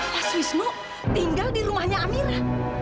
mas wisnu tinggal di rumahnya amira